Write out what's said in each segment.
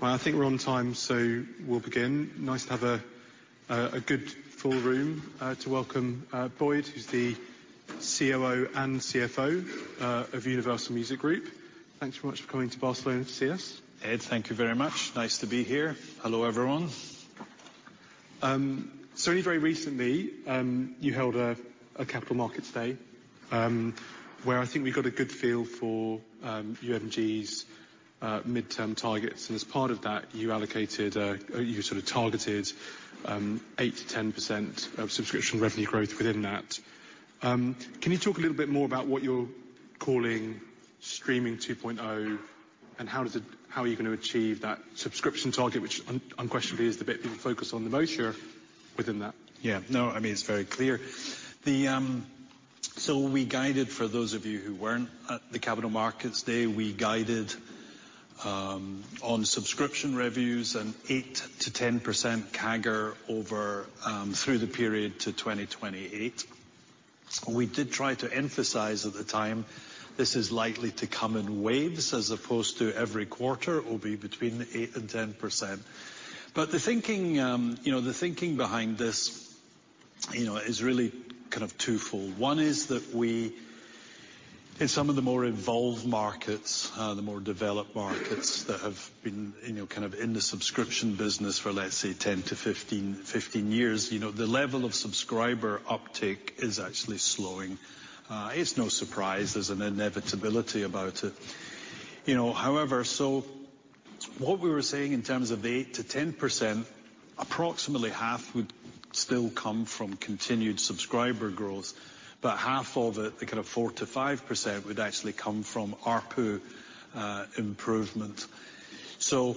I think we're on time, so we'll begin. Nice to have a good full room to welcome Boyd, who's the COO and CFO of Universal Music Group. Thanks very much for coming to Barcelona to see us. Ed, thank you very much. Nice to be here. Hello, everyone. Certainly very recently, you held a Capital Markets Day, where I think we got a good feel for UMG's midterm targets. And as part of that, you allocated, you sort of targeted, 8%-10% subscription revenue growth within that. Can you talk a little bit more about what you're calling Streaming 2.0, and how does it, how are you gonna achieve that subscription target, which unquestionably is the bit people focus on the most here within that? Yeah. No, I mean, it's very clear. The, so we guided—for those of you who weren't, the Capital Markets Day—we guided, on subscription revenue an 8%-10% CAGR over, through the period to 2028. We did try to emphasize at the time this is likely to come in waves as opposed to every quarter, it'll be between 8% and 10%. But the thinking, you know, the thinking behind this, you know, is really kind of twofold. One is that we—in some of the more evolved markets, the more developed markets that have been, you know, kind of in the subscription business for, let's say, 10 to 15, 15 years, you know, the level of subscriber uptake is actually slowing. It's no surprise. There's an inevitability about it. You know, however, so what we were saying in terms of the 8%-10%, approximately half would still come from continued subscriber growth, but half of it, the kind of 4%-5%, would actually come from ARPU improvement. So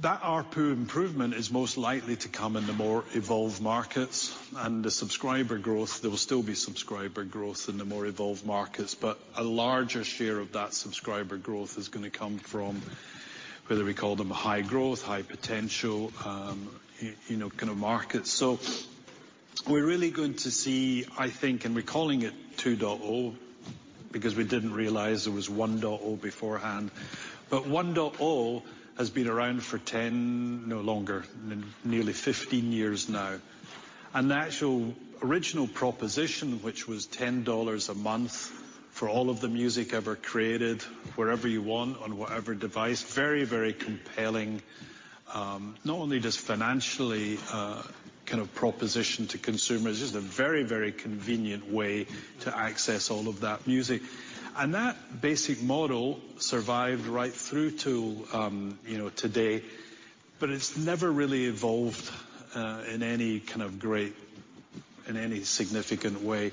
that ARPU improvement is most likely to come in the more evolved markets, and the subscriber growth, there will still be subscriber growth in the more evolved markets, but a larger share of that subscriber growth is gonna come from whether we call them high growth, high potential, you know, kind of markets. So we're really going to see, I think, and we're calling it 2.0 because we didn't realize there was 1.0 beforehand, but 1.0 has been around for 10, no longer nearly 15 years now. The actual original proposition, which was $10 a month for all of the music ever created wherever you want on whatever device, very, very compelling, not only just financially, kind of proposition to consumers, just a very, very convenient way to access all of that music. That basic model survived right through to, you know, today, but it's never really evolved in any significant way.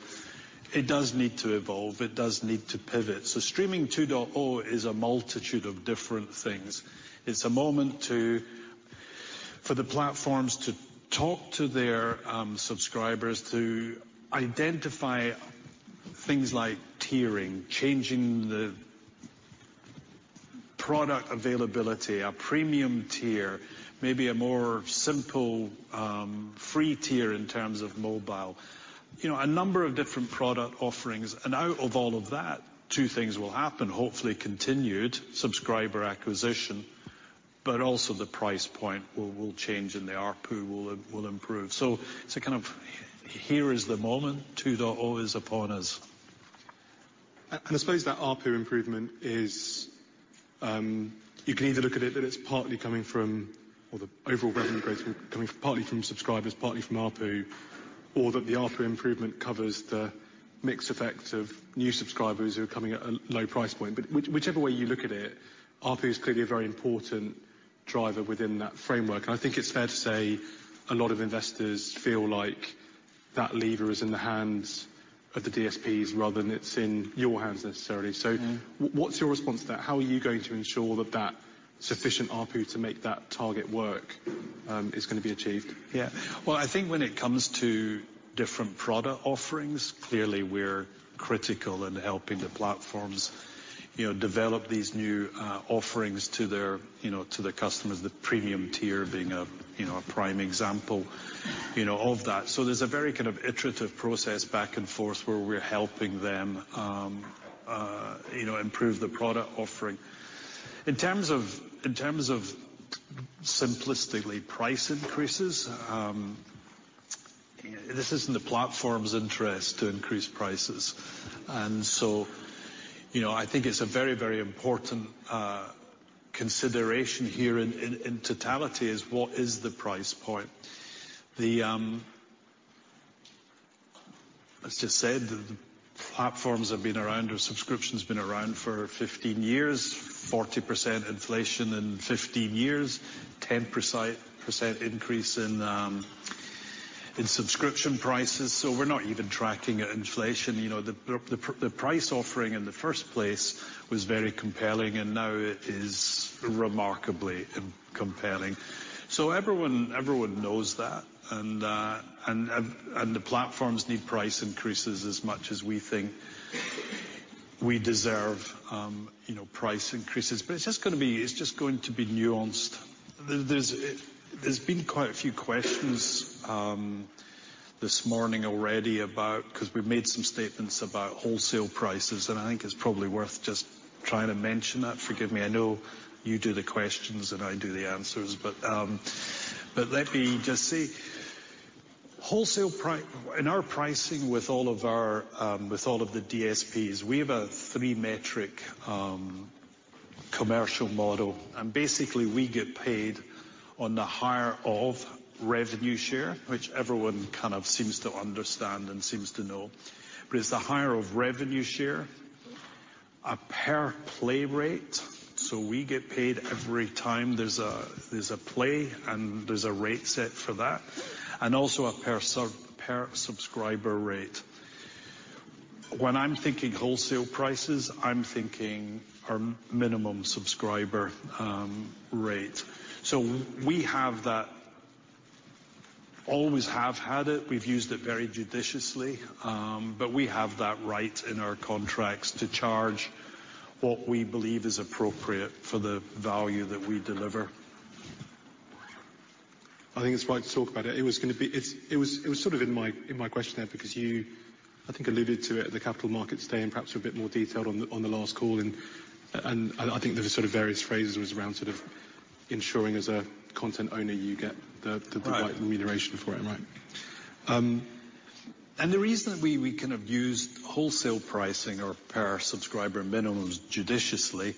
It does need to evolve. It does need to pivot. Streaming 2.0 is a multitude of different things. It's a moment for the platforms to talk to their subscribers, to identify things like tiering, changing the product availability, a premium tier, maybe a more simple, free tier in terms of mobile, you know, a number of different product offerings. Out of all of that, two things will happen, hopefully continued subscriber acquisition, but also the price point will change and the ARPU will improve. So it's a kind of here is the moment. 2.0 is upon us. And I suppose that ARPU improvement is, you can either look at it that it's partly coming from, or the overall revenue growth will be coming partly from subscribers, partly from ARPU, or that the ARPU improvement covers the mixed effects of new subscribers who are coming at a low price point. But whichever way you look at it, ARPU is clearly a very important driver within that framework. And I think it's fair to say a lot of investors feel like that lever is in the hands of the DSPs rather than it's in your hands necessarily. So. Mm-hmm. What's your response to that? How are you going to ensure that sufficient ARPU to make that target work is gonna be achieved? Yeah. Well, I think when it comes to different product offerings, clearly we're critical in helping the platforms, you know, develop these new offerings to their, you know, to their customers, the premium tier being a, you know, a prime example, you know, of that. So there's a very kind of iterative process back and forth where we're helping them, you know, improve the product offering. In terms of simplistically price increases, this is in the platform's interest to increase prices. And so, you know, I think it's a very, very important consideration here in totality is what is the price point. As just said, the platforms have been around, or subscription's been around for 15 years, 40% inflation in 15 years, 10% increase in subscription prices. So we're not even tracking inflation. You know, the price offering in the first place was very compelling, and now it is remarkably uncompelling. So everyone, everyone knows that. And the platforms need price increases as much as we think we deserve, you know, price increases. But it's just going to be nuanced. There's been quite a few questions this morning already about 'cause we've made some statements about wholesale prices, and I think it's probably worth just trying to mention that. Forgive me. I know you do the questions and I do the answers, but let me just say wholesale pricing in our pricing with all of the DSPs, we have a three-metric commercial model. And basically, we get paid on the higher of revenue share, which everyone kind of seems to understand and seems to know. It's the higher of revenue share, a per-play rate. So we get paid every time there's a play and there's a rate set for that, and also a per sub, per subscriber rate. When I'm thinking wholesale prices, I'm thinking our minimum subscriber, rate. So we have that, always have had it. We've used it very judiciously, but we have that right in our contracts to charge what we believe is appropriate for the value that we deliver. I think it's right to talk about it. It was gonna be it's, it was sort of in my questionnaire because you, I think, alluded to it at the Capital Markets Day and perhaps a bit more detailed on the last call, and I think there were sort of various phrases around sort of ensuring as a content owner you get the. Right. Right remuneration for it, right? Mm-hmm. And the reason that we kind of used wholesale pricing or per subscriber minimums judiciously,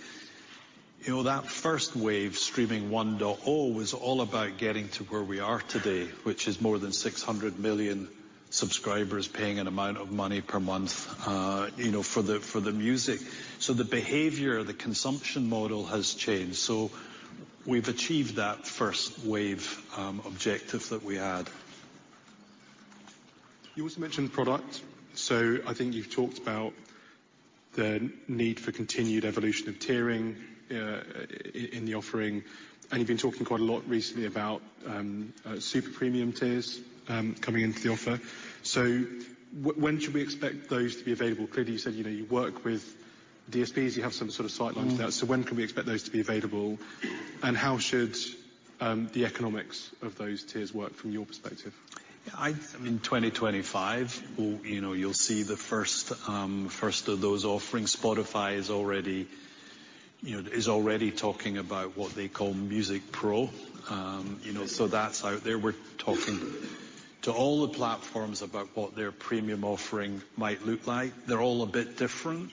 you know, that first wave, Streaming 1.0, was all about getting to where we are today, which is more than 600 million subscribers paying an amount of money per month, you know, for the music. So the behavior, the consumption model has changed. So we've achieved that first wave, objective that we had. You also mentioned product. So I think you've talked about the need for continued evolution of tiering in the offering, and you've been talking quite a lot recently about super-premium tiers coming into the offer. So when should we expect those to be available? Clearly, you said, you know, you work with DSPs. You have some sort of sightlines for that. So when can we expect those to be available, and how should the economics of those tiers work from your perspective? Yeah. I mean, 2025, well, you know, you'll see the first of those offerings. Spotify is already, you know, talking about what they call Music Pro, you know, so that's out there. We're talking to all the platforms about what their premium offering might look like. They're all a bit different.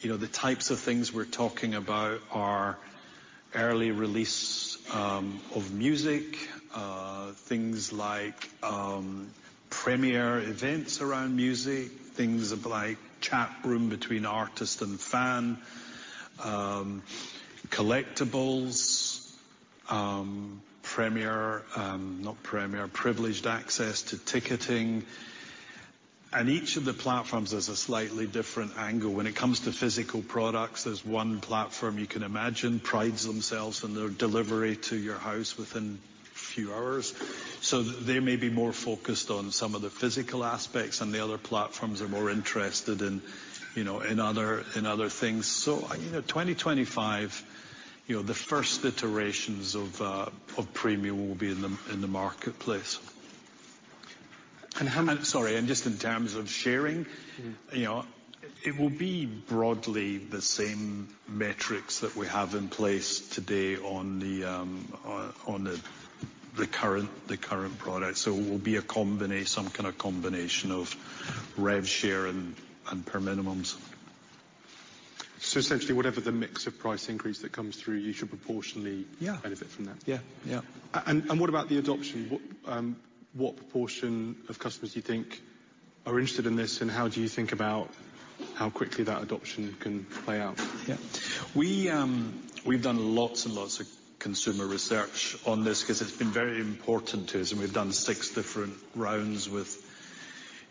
You know, the types of things we're talking about are early release of music, things like premiere events around music, things like chat room between artist and fan, collectibles, premiere, not premiere, privileged access to ticketing, and each of the platforms has a slightly different angle. When it comes to physical products, there's one platform you can imagine prides themselves on their delivery to your house within a few hours. So they may be more focused on some of the physical aspects, and the other platforms are more interested in, you know, other things. So, you know, 2025, you know, the first iterations of premium will be in the marketplace. And how mu— Sorry, and just in terms of sharing. Mm-hmm. You know, it will be broadly the same metrics that we have in place today on the current product. So it will be a combination, some kind of combination of rev share and per minimums. So essentially, whatever the mix of price increase that comes through, you should proportionally. Yeah. Benefit from that. Yeah. Yeah. What about the adoption? What proportion of customers do you think are interested in this, and how do you think about how quickly that adoption can play out? Yeah. We've done lots and lots of consumer research on this 'cause it's been very important to us. And we've done six different rounds with,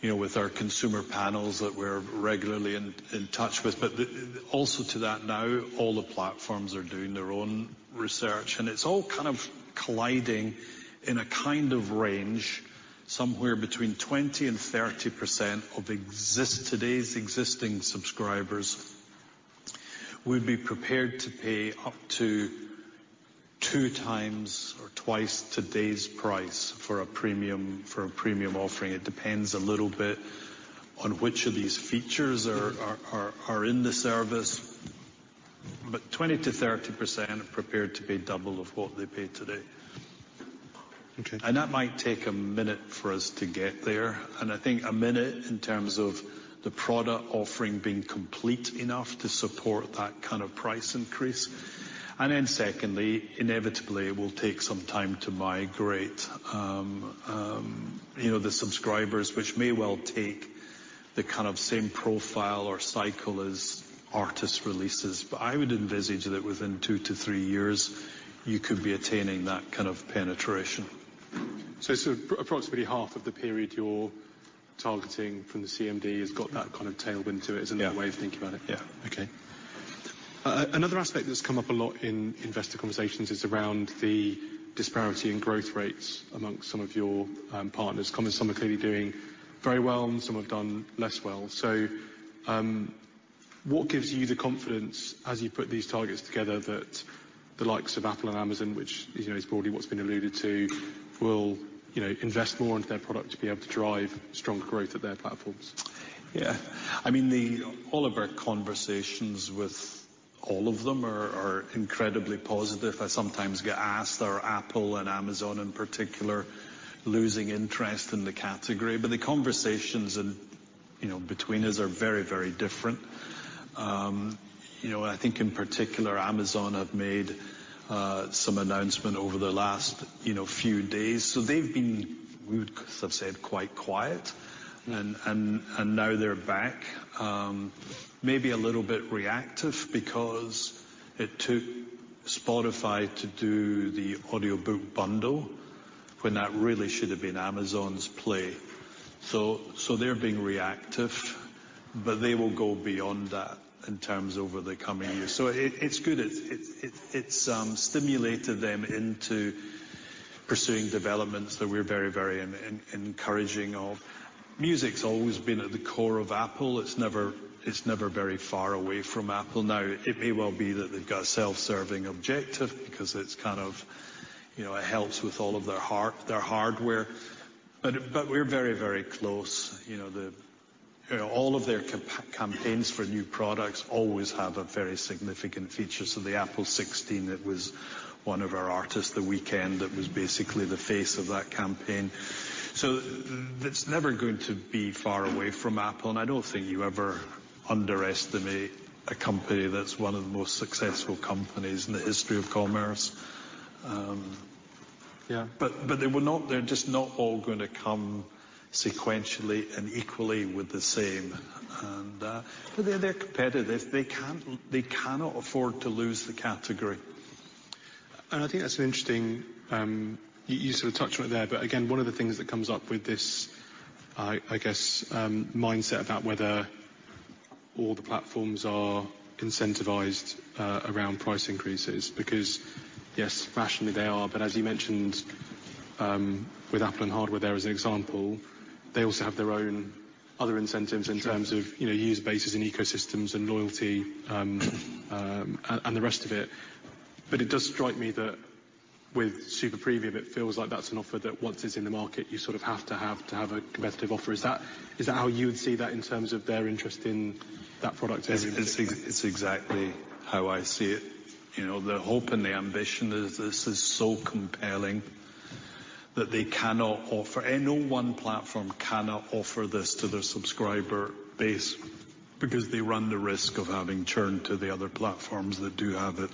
you know, our consumer panels that we're regularly in touch with. But also, to that, now all the platforms are doing their own research, and it's all kind of colliding in a kind of range somewhere between 20% and 30% of today's existing subscribers would be prepared to pay up to two times or twice today's price for a premium offering. It depends a little bit on which of these features are in the service, but 20%-30% are prepared to pay double of what they pay today. Okay. And that might take a minute for us to get there. And I think a minute in terms of the product offering being complete enough to support that kind of price increase. And then secondly, inevitably, it will take some time to migrate, you know, the subscribers, which may well take the kind of same profile or cycle as artist releases. But I would envisage that within two to three years, you could be attaining that kind of penetration. So it's approximately half of the period you're targeting from the CMD has got that kind of tailwind to it. Yeah. Isn't that the way of thinking about it? Yeah. Yeah. Okay. Another aspect that's come up a lot in investor conversations is around the disparity in growth rates among some of your partners. Some are clearly doing very well. Some have done less well, so what gives you the confidence as you put these targets together that the likes of Apple and Amazon, which, you know, is broadly what's been alluded to, will, you know, invest more into their product to be able to drive strong growth at their platforms? Yeah. I mean, all of our conversations with all of them are incredibly positive. I sometimes get asked, are Apple and Amazon in particular losing interest in the category? But the conversations, you know, between us are very, very different. You know, I think in particular, Amazon have made some announcement over the last, you know, few days. So they've been, we would have said, quite quiet. And now they're back, maybe a little bit reactive because it took Spotify to do the audiobook bundle when that really should have been Amazon's play. So they're being reactive, but they will go beyond that in terms over the coming years. So it's good. It's stimulated them into pursuing developments that we're very, very encouraging of. Music's always been at the core of Apple. It's never very far away from Apple. Now, it may well be that they've got a self-serving objective because it's kind of, you know, it helps with all of their heart, their hardware. But we're very, very close. You know, all of their campaigns for new products always have a very significant feature. So the Apple 16, that was one of our artists The Weeknd, that was basically the face of that campaign. So that's never going to be far away from Apple. And I don't think you ever underestimate a company that's one of the most successful companies in the history of commerce. Yeah. But they will not. They're just not all gonna come sequentially and equally with the same. But they're competitive. They can't. They cannot afford to lose the category. I think that's an interesting, you sort of touched on it there. But again, one of the things that comes up with this, I guess, mindset about whether all the platforms are incentivized around price increases because yes, rationally they are. But as you mentioned, with Apple and hardware there as an example, they also have their own other incentives in terms of. Mm-hmm. You know, user bases and ecosystems and loyalty, and, and the rest of it. But it does strike me that with super-premium, it feels like that's an offer that once it's in the market, you sort of have to have a competitive offer. Is that, is that how you would see that in terms of their interest in that product? It's exactly how I see it. You know, the hope and the ambition is this is so compelling that they cannot offer, and no one platform cannot offer this to their subscriber base because they run the risk of having churned to the other platforms that do have it.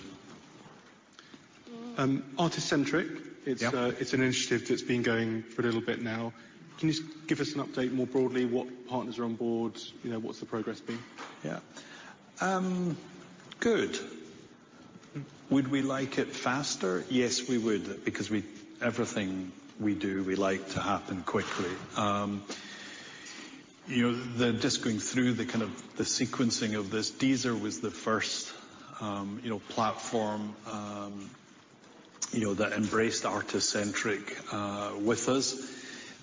Artist-Centric. Yeah. It's an initiative that's been going for a little bit now. Can you give us an update more broadly? What partners are on board? You know, what's the progress been? Yeah. Good. Would we like it faster? Yes, we would because everything we do, we like to happen quickly. You know, just going through the kind of the sequencing of this, Deezer was the first platform that embraced Artist-Centric with us.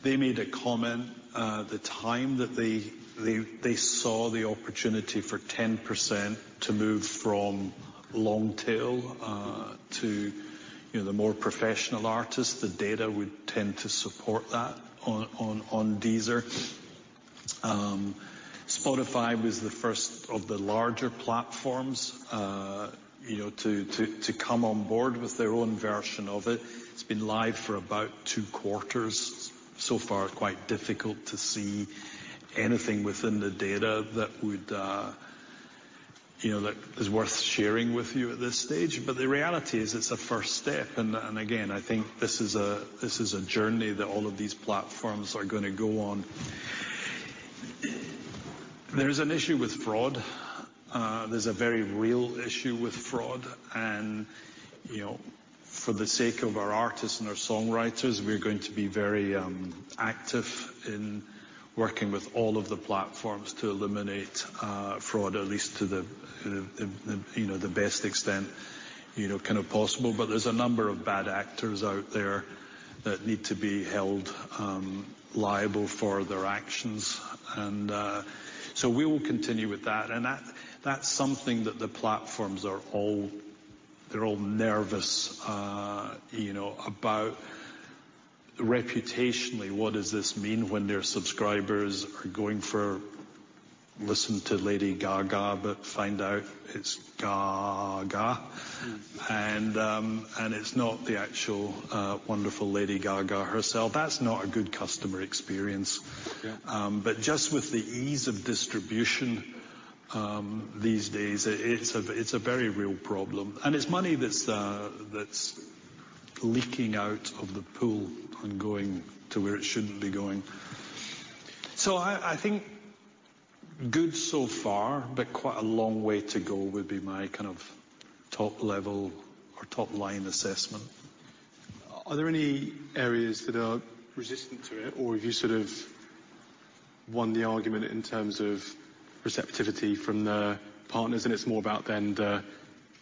They made a comment at the time that they saw the opportunity for 10% to move from long tail to the more professional artists. The data would tend to support that on Deezer. Spotify was the first of the larger platforms to come on board with their own version of it. It's been live for about two quarters. So far, quite difficult to see anything within the data that would be worth sharing with you at this stage. But the reality is it's a first step. I think this is a journey that all of these platforms are gonna go on. There's an issue with fraud. There's a very real issue with fraud. And you know, for the sake of our artists and our songwriters, we're going to be very active in working with all of the platforms to eliminate fraud, at least to the best extent you know, kind of possible. But there's a number of bad actors out there that need to be held liable for their actions. So we will continue with that. And that's something that the platforms are all nervous you know, about reputationally. What does this mean when their subscribers are going for "Listen to Lady Gaga, but find out it's Gaga"? Mm-hmm. It's not the actual, wonderful Lady Gaga herself. That's not a good customer experience. Yeah. But just with the ease of distribution these days, it's a very real problem. And it's money that's leaking out of the pool and going to where it shouldn't be going. So I think good so far, but quite a long way to go would be my kind of top-level or top-line assessment. Are there any areas that are resistant to it, or have you sort of won the argument in terms of receptivity from the partners? And it's more about then the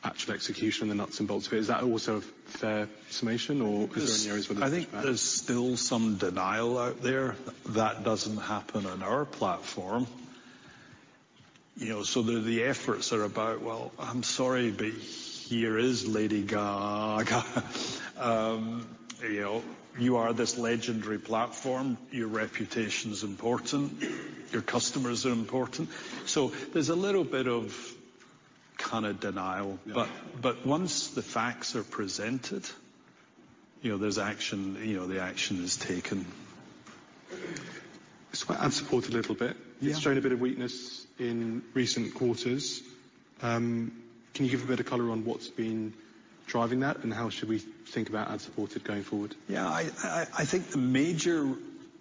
actual execution and the nuts and bolts of it. Is that also a fair summation, or is there any areas where there's? I think there's still some denial out there. That doesn't happen on our platform. You know, so the efforts are about, "Well, I'm sorry, but here is Lady Gaga." You know, you are this legendary platform. Your reputation's important. Your customers are important. So there's a little bit of kind of denial. Yeah. But once the facts are presented, you know, there's action. You know, the action is taken. Add support a little bit. Yeah. You've shown a bit of weakness in recent quarters. Can you give a bit of color on what's been driving that, and how should we think about ad support going forward? Yeah. I think the major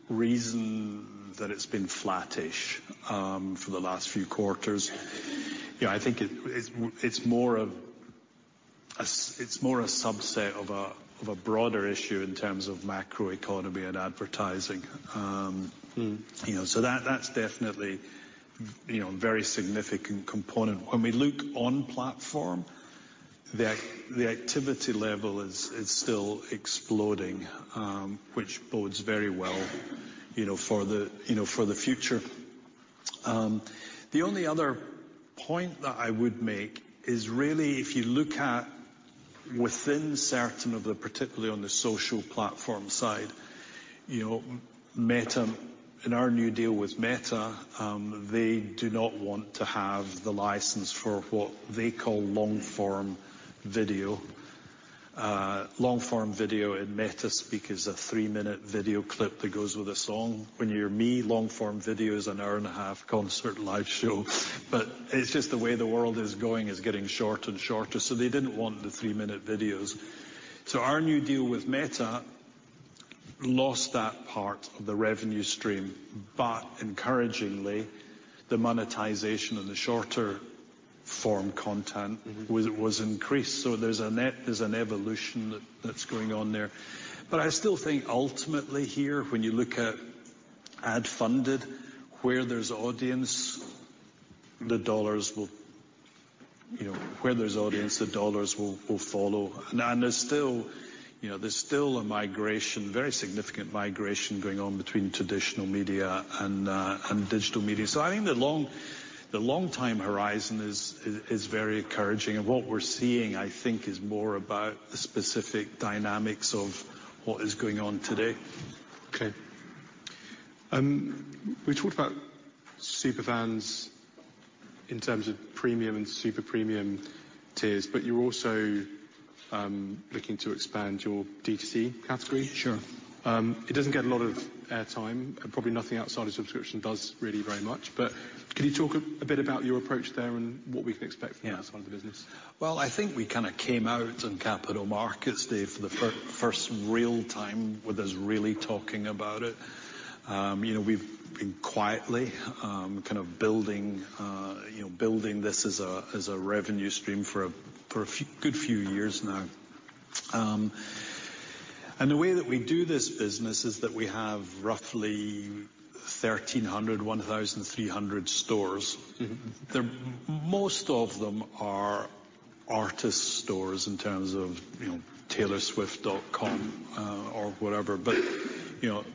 reason that it's been flattish for the last few quarters, you know, I think it's more of a subset of a broader issue in terms of macroeconomy and advertising. Mm-hmm. You know, so that, that's definitely, you know, a very significant component. When we look on platform, the activity level is still exploding, which bodes very well, you know, for the, you know, for the future. The only other point that I would make is really, if you look at within certain of the, particularly on the social platform side, you know, Meta, in our new deal with Meta, they do not want to have the license for what they call long-form video. Long-form video in Meta speak is a three-minute video clip that goes with a song. When you're me, long-form video is an hour and a half concert live show. But it's just the way the world is going is getting shorter and shorter. So they didn't want the three-minute videos. So our new deal with Meta lost that part of the revenue stream, but encouragingly, the monetization and the short-form content. Mm-hmm. Was increased. So there's a net evolution that's going on there. But I still think ultimately here, when you look at ad-funded, where there's audience, the dollars will follow. You know, there's still a very significant migration going on between traditional media and digital media. So I think the long-term horizon is very encouraging. And what we're seeing, I think, is more about the specific dynamics of what is going on today. Okay. We talked about super fans in terms of premium and super-premium tiers, but you're also looking to expand your DTC category. Sure. It doesn't get a lot of airtime. Probably nothing outside of subscription does really very much. But can you talk a bit about your approach there and what we can expect from outside of the business? Yeah, well, I think we kind of came out on Capital Markets Day for the first real time with us really talking about it, you know. We've been quietly, kind of building, you know, building this as a revenue stream for a good few years now, and the way that we do this business is that we have roughly 1,300, 1,300 stores. Mm-hmm. They're most of them are artist stores in terms of, you know, TaylorSwift.com, or whatever. But, you know,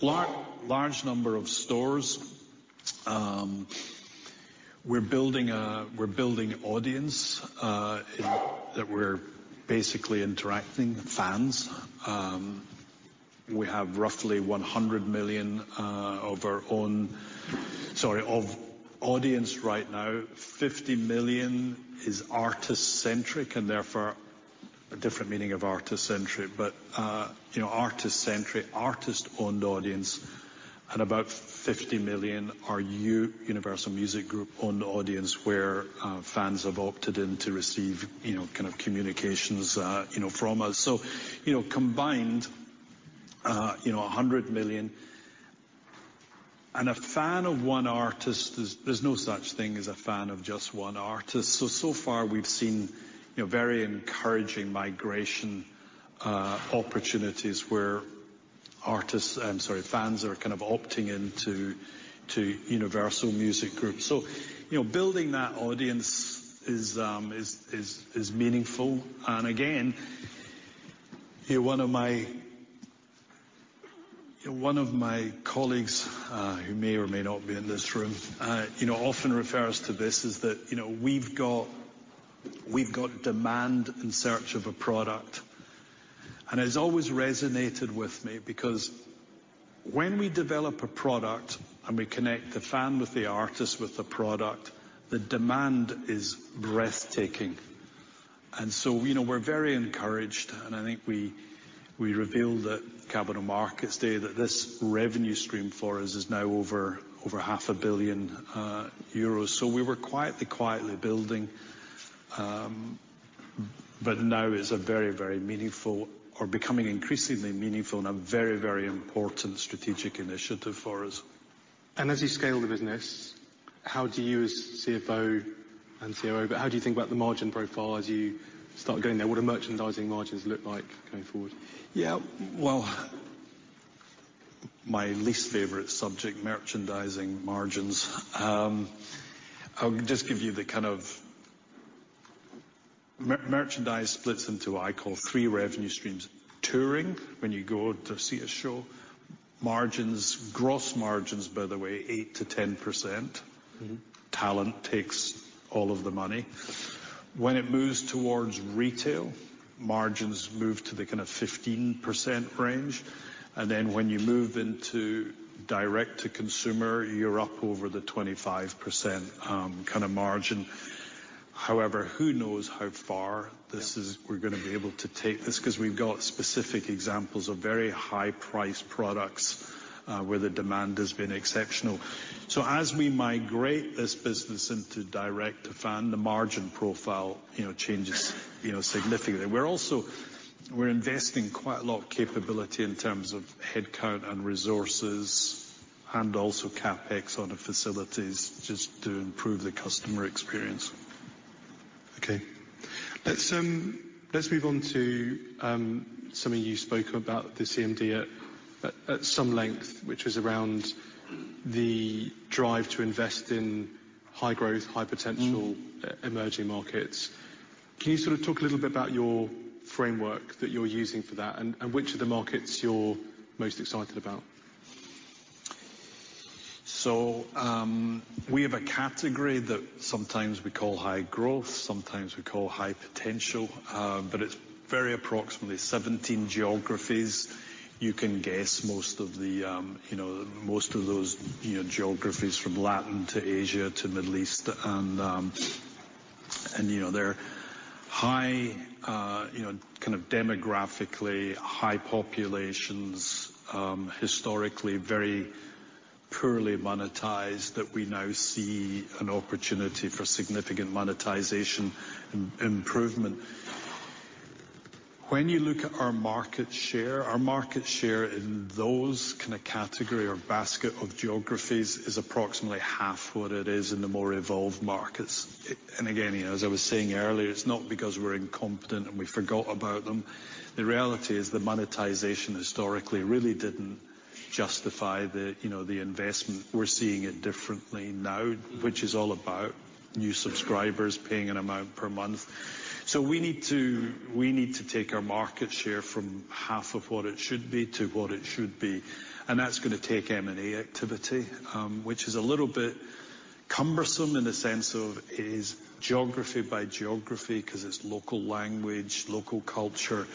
large, large number of stores. We're building a, we're building audience that we're basically interacting fans. We have roughly 100 million of our own, sorry, of audience right now. 50 million is Artist-Centric and therefore a different meaning of Artist-Centric. But, you know, Artist-Centric, artist-owned audience, and about 50 million are Universal Music Group-owned audience where fans have opted in to receive, you know, kind of communications, you know, from us. So, you know, combined, you know, 100 million. A fan of one artist is, there's no such thing as a fan of just one artist. So far, we've seen, you know, very encouraging migration opportunities where artists, I'm sorry, fans are kind of opting in to Universal Music Group. So, you know, building that audience is meaningful. And again, you know, one of my, you know, one of my colleagues, who may or may not be in this room, you know, often refers to this as that, you know, we've got demand in search of a product. And it's always resonated with me because when we develop a product and we connect the fan with the artist with the product, the demand is breathtaking. And so, you know, we're very encouraged. And I think we revealed at Capital Markets Day that this revenue stream for us is now over 500 million euros. So we were quietly building, but now it's a very, very meaningful or becoming increasingly meaningful and a very, very important strategic initiative for us. And as you scale the business, how do you as CFO and COO, how do you think about the margin profile as you start getting there? What do merchandising margins look like going forward? Yeah, well, my least favorite subject, merchandising margins. I'll just give you the kind of merchandise splits into what I call three revenue streams: touring, when you go to see a show, margins, gross margins, by the way, 8%-10%. Mm-hmm. Talent takes all of the money. When it moves towards retail, margins move to the kind of 15% range. And then when you move into direct-to-consumer, you're up over the 25%, kind of margin. However, who knows how far this is. Mm-hmm. We're gonna be able to take this 'cause we've got specific examples of very high-priced products, where the demand has been exceptional. So as we migrate this business into direct-to-fan, the margin profile, you know, changes, you know, significantly. We're also investing quite a lot of capability in terms of headcount and resources and also CapEx on the facilities just to improve the customer experience. Okay. Let's move on to something you spoke about the CMD at some length, which was around the drive to invest in high-growth, high-potential. Mm-hmm. Emerging markets. Can you sort of talk a little bit about your framework that you're using for that and which of the markets you're most excited about? So, we have a category that sometimes we call high growth, sometimes we call high potential, but it's very approximately 17 geographies. You can guess most of the, you know, most of those, you know, geographies from Latin to Asia to Middle East. And, and, you know, they're high, you know, kind of demographically high populations, historically very poorly monetized that we now see an opportunity for significant monetization improvement. When you look at our market share, our market share in those kind of category or basket of geographies is approximately half what it is in the more evolved markets. And again, you know, as I was saying earlier, it's not because we're incompetent and we forgot about them. The reality is the monetization historically really didn't justify the, you know, the investment. We're seeing it differently now, which is all about new subscribers paying an amount per month. So we need to, we need to take our market share from half of what it should be to what it should be. And that's gonna take M&A activity, which is a little bit cumbersome in the sense of it is geography by geography 'cause it's local language, local culture.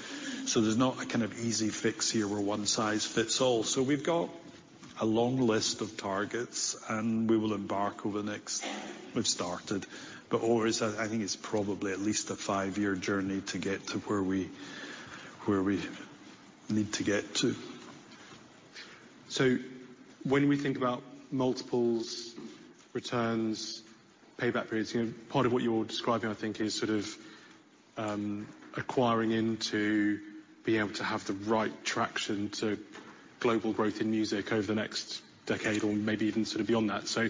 So there's not a kind of easy fix here where one size fits all. So we've got a long list of targets, and we will embark over the next we've started. But always, I, I think it's probably at least a five-year journey to get to where we, where we need to get to. So when we think about multiples, returns, payback periods, you know, part of what you're describing, I think, is sort of, acquiring into being able to have the right traction to global growth in music over the next decade or maybe even sort of beyond that. So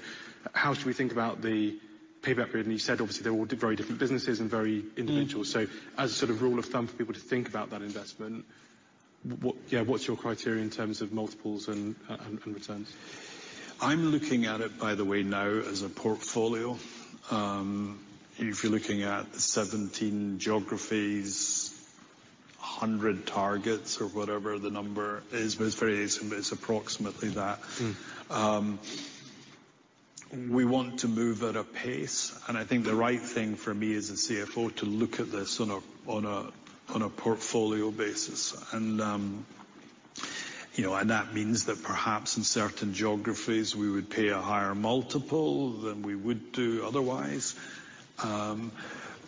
how should we think about the payback period? And you said obviously they're all very different businesses and very individual. Mm-hmm. So as a sort of rule of thumb for people to think about that investment, what, yeah, what's your criteria in terms of multiples and returns? I'm looking at it, by the way, now as a portfolio. If you're looking at 17 geographies, 100 targets or whatever the number is, but it's very, it's approximately that. Mm-hmm. We want to move at a pace. And I think the right thing for me as a CFO to look at this on a portfolio basis. And, you know, that means that perhaps in certain geographies, we would pay a higher multiple than we would do otherwise.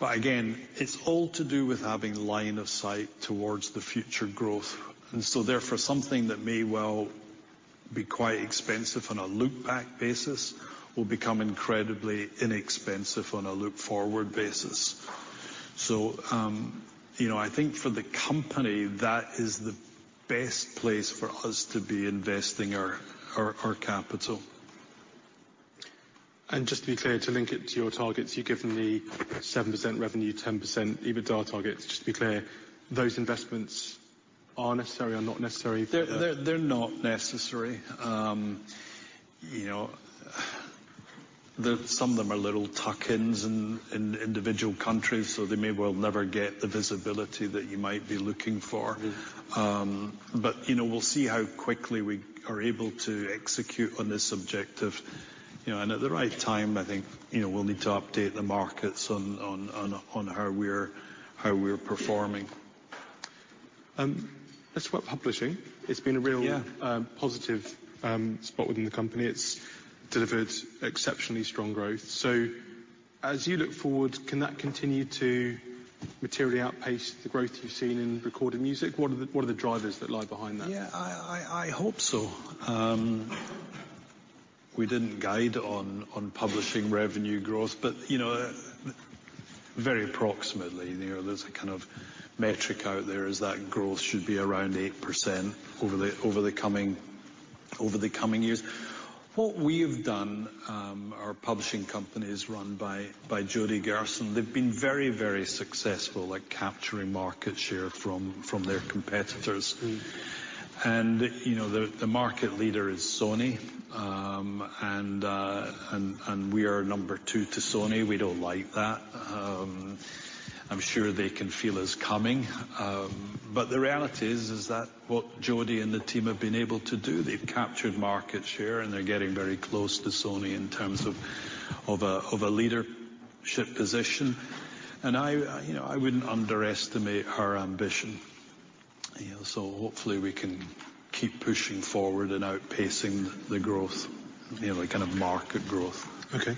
But again, it's all to do with having line of sight towards the future growth. And so therefore, something that may well be quite expensive on a look-back basis will become incredibly inexpensive on a look-forward basis. So, you know, I think for the company, that is the best place for us to be investing our capital. Just to be clear, to link it to your targets, you've given the 7% revenue, 10% EBITDA targets. Just to be clear, those investments are necessary or not necessary for you? They're not necessary. You know, there's some of them are little tuck-ins in individual countries, so they may well never get the visibility that you might be looking for. Mm-hmm. But, you know, we'll see how quickly we are able to execute on this strategy, you know, and at the right time, I think, you know, we'll need to update the markets on how we're performing. Let's talk about publishing. It's been a real. Yeah. Positive spot within the company. It's delivered exceptionally strong growth. So as you look forward, can that continue to materially outpace the growth you've seen in recorded music? What are the drivers that lie behind that? Yeah. I hope so. We didn't guide on publishing revenue growth, but, you know, very approximately, you know, there's a kind of metric out there is that growth should be around 8% over the coming years. What we've done, our publishing company is run by Jody Gerson. They've been very, very successful at capturing market share from their competitors. Mm-hmm. You know, the market leader is Sony, and we are number two to Sony. We don't like that. I'm sure they can feel us coming, but the reality is that what Jody and the team have been able to do, they've captured market share and they're getting very close to Sony in terms of a leadership position. I, you know, wouldn't underestimate our ambition. You know, so hopefully we can keep pushing forward and outpacing the growth, you know, the kind of market growth. Okay.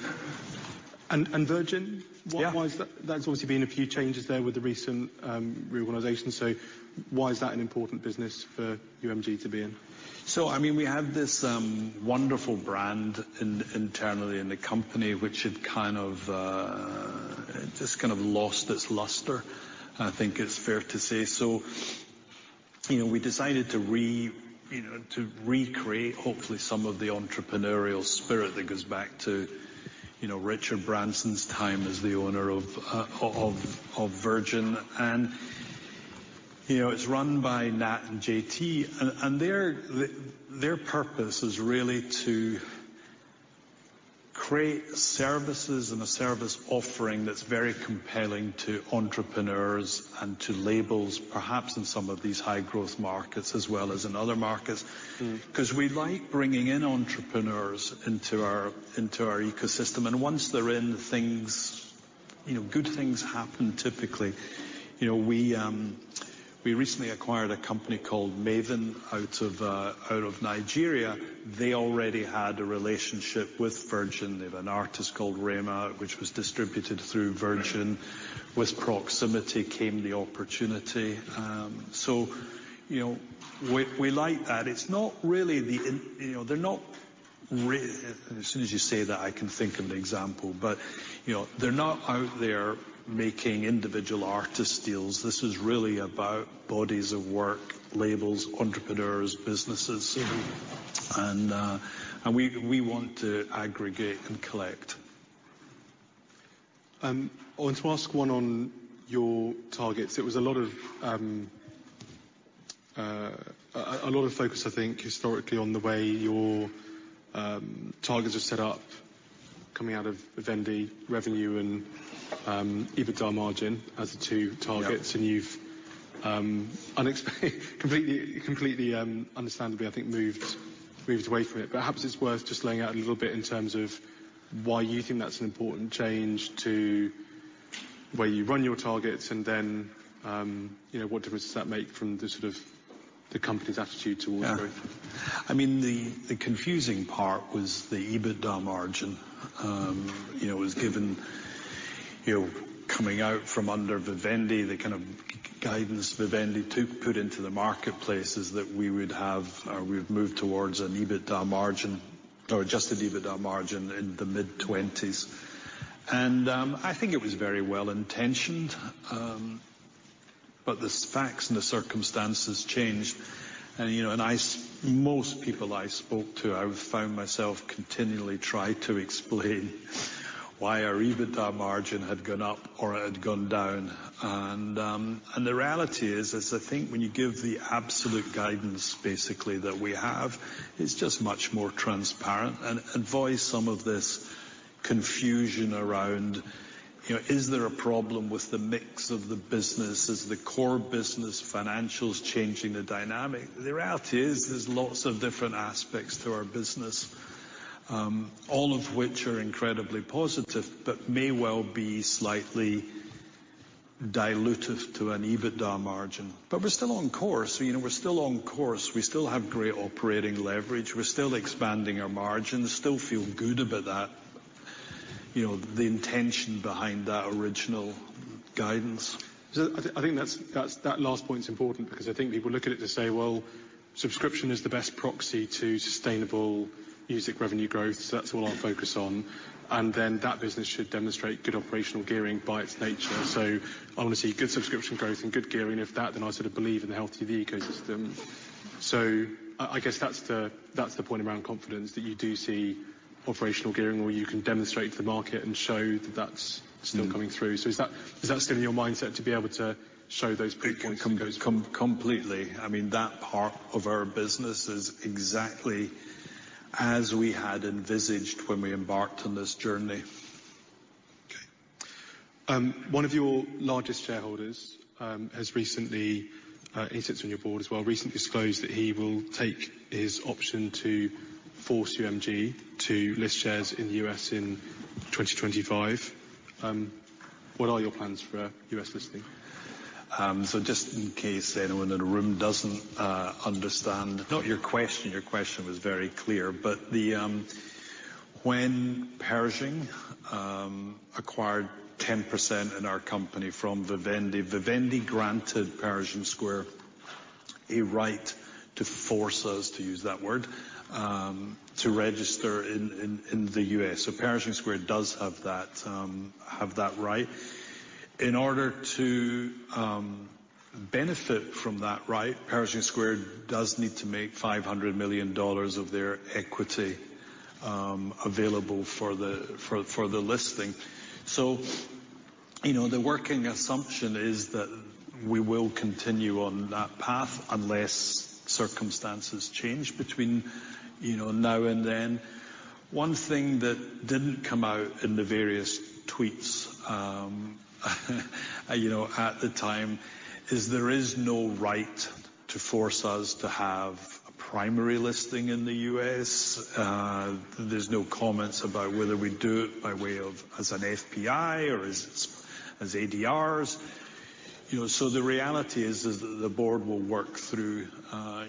And Virgin, why is that? Yeah. That's obviously been a few changes there with the recent reorganization. So why is that an important business for UMG to be in? I mean, we have this wonderful brand internally in the company, which had kind of just kind of lost its luster, I think it's fair to say. You know, we decided, you know, to recreate hopefully some of the entrepreneurial spirit that goes back to, you know, Richard Branson's time as the owner of Virgin. You know, it's run by Nat and JT, and their purpose is really to create services and a service offering that's very compelling to entrepreneurs and to labels, perhaps in some of these high-growth markets as well as in other markets. Mm-hmm. 'Cause we like bringing in entrepreneurs into our, into our ecosystem, and once they're in, things, you know, good things happen typically. You know, we, we recently acquired a company called Mavin out of, out of Nigeria. They already had a relationship with Virgin. They have an artist called Rema, which was distributed through Virgin. With proximity came the opportunity, so, you know, we, we like that. It's not really the, you know, they're not re as soon as you say that, I can think of an example, but, you know, they're not out there making individual artist deals. This is really about bodies of work, labels, entrepreneurs, businesses. Mm-hmm. We want to aggregate and collect. I want to ask one on your targets. It was a lot of, a lot of focus, I think, historically on the way your targets are set up coming out of Vivendi, revenue and EBITDA margin as the two targets. Mm-hmm. And you've unexpectedly completely understandably, I think, moved away from it. Perhaps it's worth just laying out a little bit in terms of why you think that's an important change to where you run your targets and then, you know, what difference does that make from the sort of the company's attitude towards growth? Yeah. I mean, the confusing part was the EBITDA margin. You know, it was given, you know, coming out from under Vivendi, the kind of guidance Vivendi to put into the marketplace is that we would have, or we would move towards an EBITDA margin or adjusted EBITDA margin in the mid-20s%. I think it was very well-intentioned, but the facts and the circumstances changed. You know, I, most people I spoke to, I would find myself continually trying to explain why our EBITDA margin had gone up or had gone down. The reality is I think when you give the absolute guidance basically that we have, it's just much more transparent and voice some of this confusion around, you know, is there a problem with the mix of the business? Is the core business financials changing the dynamic? The reality is there's lots of different aspects to our business, all of which are incredibly positive but may well be slightly dilutive to an EBITDA margin. But we're still on course. So, you know, we're still on course. We still have great operating leverage. We're still expanding our margins. Still feel good about that, you know, the intention behind that original guidance. So I think that's that last point's important because I think people look at it to say, well, subscription is the best proxy to sustainable music revenue growth. So that's all I'll focus on. And then that business should demonstrate good operational gearing by its nature. So I wanna see good subscription growth and good gearing. If that, then I sort of believe in the health of the ecosystem. So I guess that's the point around confidence that you do see operational gearing where you can demonstrate to the market and show that that's still coming through. So is that still in your mindset to be able to show those proof points? It comes completely. I mean, that part of our business is exactly as we had envisaged when we embarked on this journey. Okay. One of your largest shareholders has recently, he sits on your board as well, recently disclosed that he will take his option to force UMG to list shares in the U.S. in 2025. What are your plans for U.S. listing? So just in case anyone in the room doesn't understand, not your question, your question was very clear, but when Pershing acquired 10% in our company from Vivendi, Vivendi granted Pershing Square a right to force us, to use that word, to register in the U.S. So Pershing Square does have that right. In order to benefit from that right, Pershing Square does need to make $500 million of their equity available for the listing. So, you know, the working assumption is that we will continue on that path unless circumstances change between, you know, now and then. One thing that didn't come out in the various tweets, you know, at the time is there is no right to force us to have a primary listing in the U.S. There's no comments about whether we do it by way of, as an FPI or as, as ADRs. You know, so the reality is that the board will work through,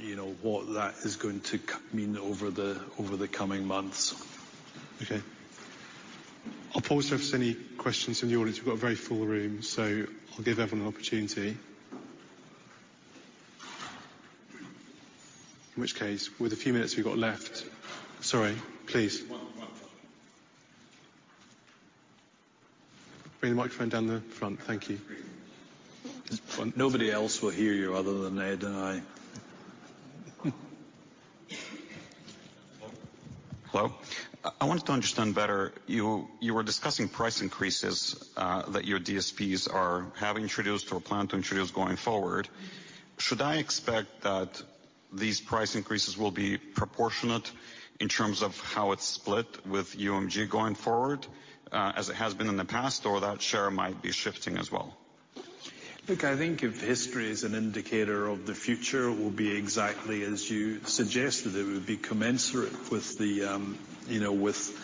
you know, what that is going to mean over the coming months. Okay. I'll pause there if there's any questions from the audience. We've got a very full room, so I'll give everyone an opportunity, in which case, with a few minutes we've got left. Sorry, please. One question. Bring the microphone down the front. Thank you. Nobody else will hear you other than Ed and I. Hello? Hello? I wanted to understand better. You were discussing price increases, that your DSPs are having introduced or plan to introduce going forward. Should I expect that these price increases will be proportionate in terms of how it's split with UMG going forward, as it has been in the past, or that share might be shifting as well? Look, I think if history is an indicator of the future, it will be exactly as you suggested. It would be commensurate with the, you know, with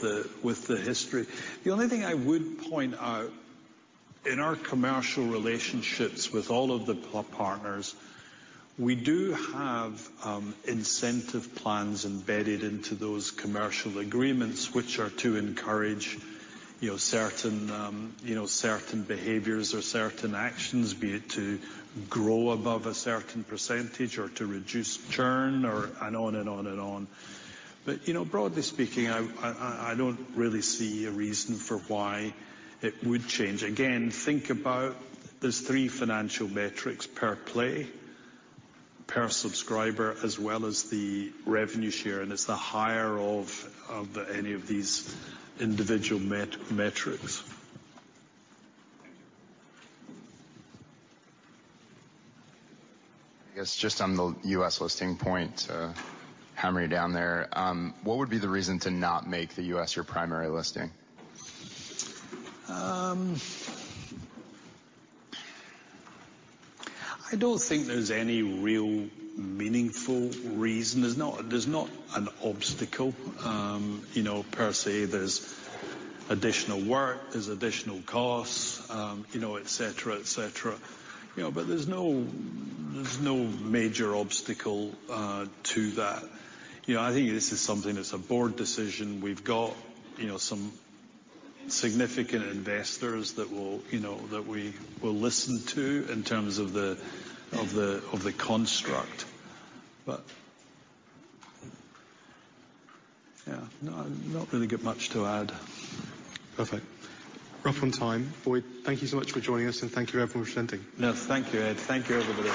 the history. The only thing I would point out, in our commercial relationships with all of the partners, we do have incentive plans embedded into those commercial agreements, which are to encourage, you know, certain behaviors or certain actions, be it to grow above a certain percentage or to reduce churn or and on and on and on. But, you know, broadly speaking, I don't really see a reason for why it would change. Again, think about there's three financial metrics per play, per subscriber, as well as the revenue share. And it's the higher of any of these individual metrics. Thank you. I guess just on the U.S. listing point, hammering down there, what would be the reason to not make the U.S. your primary listing? I don't think there's any real meaningful reason. There's not, there's not an obstacle, you know, per se. There's additional work, there's additional costs, you know, etc., etc. You know, but there's no, there's no major obstacle to that. You know, I think this is something that's a board decision. We've got, you know, some significant investors that will, you know, that we will listen to in terms of the construct. But yeah, no, I don't really get much to add. Perfect. Right on time. Boyd, thank you so much for joining us and thank you for everyone presenting. No, thank you, Ed. Thank you, everybody.